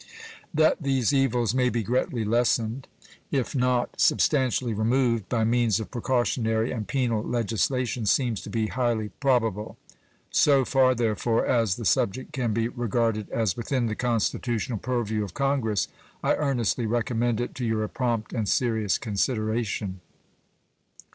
That these evils may be greatly lessened, if not substantially removed, by means of precautionary and penal legislation seems to be highly probably. So far, therefore, as the subject can be regarded as within the constitutional purview of Congress I earnestly recommend it to your prompt and serious consideration.